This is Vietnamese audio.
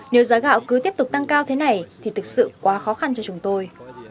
nếu giá gạo cứ tiếp tục tăng cao thế này thì thực sự quá khó khăn cho chúng tôi